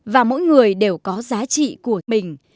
và mỗi người đều có giá trị của mình